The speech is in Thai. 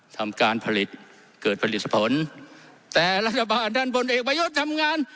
ทำการผลิตเกิดผลิตผลแต่รัฐบาลด้านบนเอกประยุทธ์ทำงาน